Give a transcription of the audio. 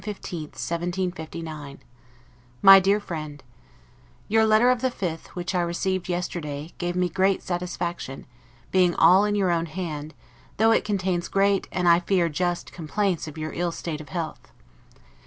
LETTER CCXLV BLACKHEATH, June 15, 1759 MY DEAR FRIEND: Your letter of the 5th, which I received yesterday, gave me great satisfaction, being all in your own hand; though it contains great, and I fear just complaints of your ill state of health.